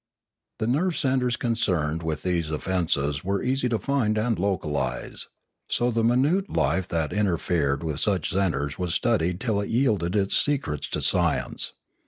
The nerve centres concerned with these offences were easy to find and localise; so the minute life that inter fered with such centres was studied till it yielded its secrets to science.